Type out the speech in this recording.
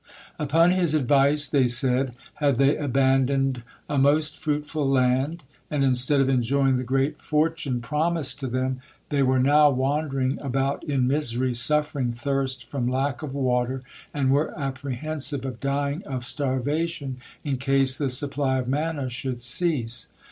Upon his advice, they said, had they abandoned a most fruitful land, and instead of enjoying the great fortune promised to them, they were now wandering about in misery, suffering thirst from lack of water, and were apprehensive of dying of starvation in case the supply of manna should cease.